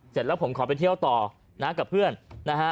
เสร็จแล้วผมขอไปเที่ยวต่อนะกับเพื่อนนะฮะ